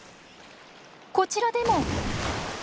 こちらでも。